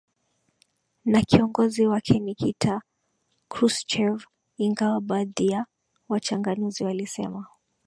na kiongozi wake Nikita Khrushchev ingawa baadhi ya wachanganuzi walisema